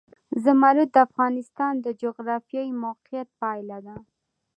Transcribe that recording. زمرد د افغانستان د جغرافیایي موقیعت پایله ده.